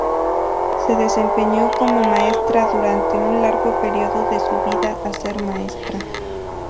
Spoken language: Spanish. Se desempeñó como maestra durante un largo periodo de su vida a ser maestra.